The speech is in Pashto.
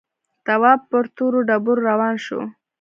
تواب پر تورو ډبرو روان شو.